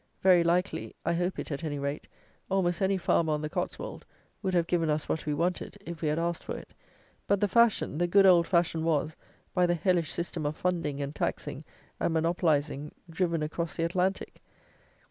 Very likely (I hope it at any rate) almost any farmer on the Cotswold would have given us what we wanted, if we had asked for it; but the fashion, the good old fashion, was, by the hellish system of funding and taxing and monopolizing, driven across the Atlantic.